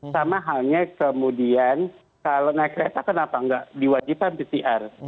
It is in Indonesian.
sama halnya kemudian kalau naik kereta kenapa nggak diwajibkan pcr